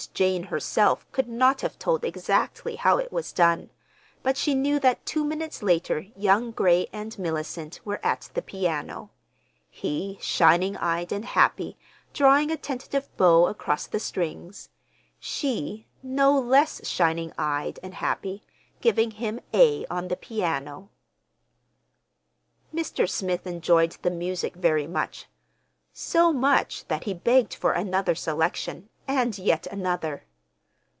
Jane herself could not have told exactly how it was done, but she knew that two minutes later young Gray and Mellicent were at the piano, he, shining eyed and happy, drawing a tentative bow across the strings: she, no less shining eyed and happy, giving him "A" on the piano. Mr. Smith enjoyed the music very much—so much that he begged for another selection and yet another.